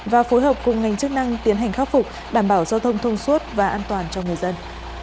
và phối hợp cùng ngành chức năng tiến hành khắc phục đảm bảo giao thông thông suốt và an toàn cho người dân